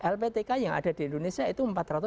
lptk yang ada di indonesia itu empat ratus dua puluh satu